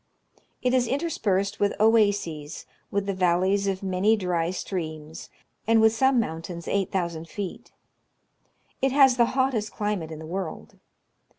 It is interspersed with oases, with the valleys of many dry streams, and with some mountains 8,000 feet. It has the hottest climate in the world.